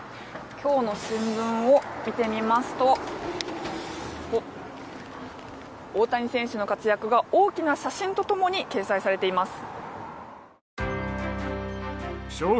今日の新聞を見てみますと大谷選手の活躍が大きな写真と共に掲載されています。